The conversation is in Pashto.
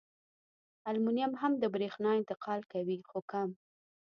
المونیم هم د برېښنا انتقال کوي خو کم.